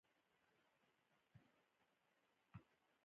د اونۍ د ورځو نومونه